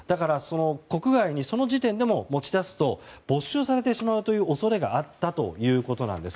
国外にその時点でも持ち出すと没収されてしまうという恐れがあったということなんです。